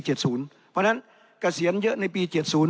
เพราะฉะนั้นเกษียณเยอะในปี๗๐